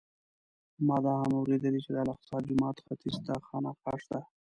ما دا هم اورېدلي چې د الاقصی جومات ختیځ ته خانقاه شته.